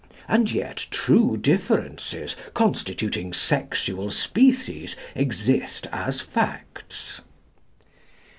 And yet true differences, constituting sexual species, exist as facts."